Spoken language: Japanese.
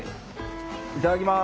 いただきます。